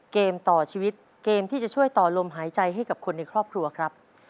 เกมต่อชีวิตเกมที่จะช่วยต่อลมหายใจให้กับคนในครอบครัวครับ